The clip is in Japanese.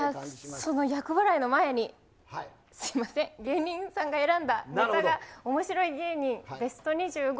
その厄払いの前に、すみません、芸人さんが選んだネタが面白い芸人ベスト２５。